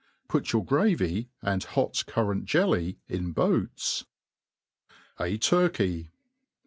Put your gravy, and hot currant jeUy^ in boats. A TURKEY.